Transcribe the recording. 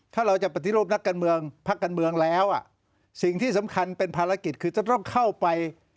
ถ้าเราจะปฏิรูปนักการเมืองพักการเมืองแล้วอ่ะสิ่งที่สำคัญเป็นภารกิจคือจะต้องเข้าไป